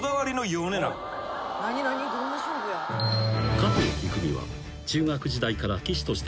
［加藤一二三は中学時代から棋士として活躍］